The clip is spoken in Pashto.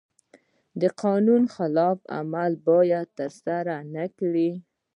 د قانون خلاف عمل باید ترسره نکړي.